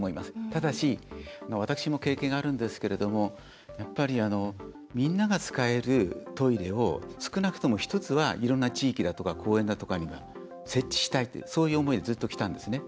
ただし私も経験があるんですけどやっぱりみんなが使えるトイレを少なくとも１つはいろんな地域だとか公園だとかには設置したいというそういう思いでずっと、きたんですね。